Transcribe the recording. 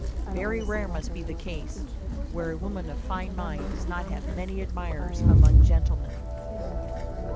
Very rare must be the case where a woman of fine mind does not have many admirers among gentlemen.